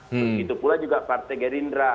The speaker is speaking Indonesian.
begitu pula juga partai gerindra